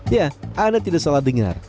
ya anda tidak salah dengar